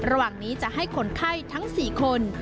ระหว่างนี้จะให้คนไข้ทั้ง๔คน